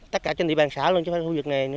tất cả trên địa bàn xã luôn